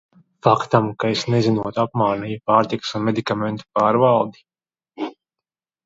Faktam, ka es nezinot apmānīju Pārtikas un medikamentu pārvaldi?